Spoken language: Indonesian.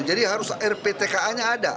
jadi harus rptka nya ada